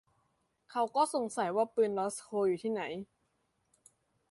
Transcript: เขาก็สังสัยว่าปืนรอสโคอยู่ที่ไหน